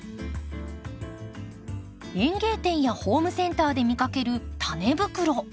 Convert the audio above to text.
園芸店やホームセンターで見かけるタネ袋。